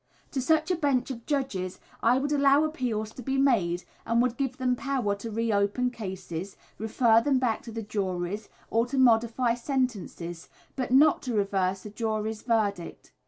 To such a bench of judges I would allow appeals to be made, and would give them power to re open cases, refer them back to the juries, or to modify sentences, but not to reverse a jury's verdict.